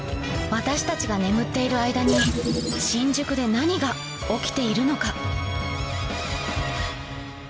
私たちが眠っている間に新宿で何が起きているのか？